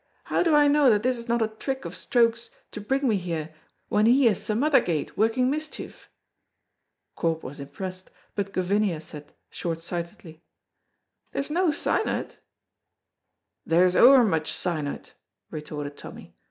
How do I know that this is not a trick of Stroke's to bring me here when he is some other gait working mischief?" Corp was impressed, but Gavinia said, short sightedly, "There's no sign o't." "There's ower much sign o't," retorted Tommy.